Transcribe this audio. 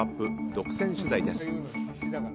独占取材です。